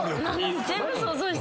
全部想像したの？